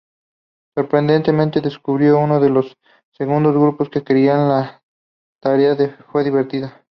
Sorprendentemente, descubrió que los del segundo grupo creían que la tarea fue divertida.